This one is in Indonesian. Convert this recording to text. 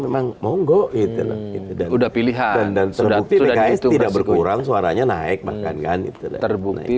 memang monggo itu dan sudah pilihan dan sudah tidak berkurang suaranya naik makan kan terbukti